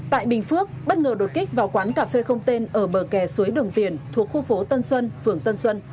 tại bình phước bất ngờ đột kích vào quán cà phê không tên ở bờ kè suối đồng tiền thuộc khu phố tân xuân phường tân xuân